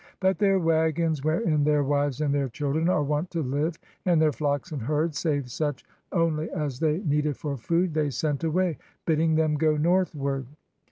But their wagons, wherein their wives and their children are wont to Uve, and their flocks and herds, save such only as they needed for food, they sent away, bidding them go northward.